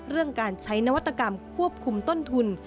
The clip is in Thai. เรื่องการใช้นวัตกรรมควบคุมต้นทุน